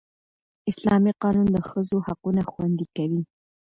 اسلامي قانون د ښځو حقونه خوندي کوي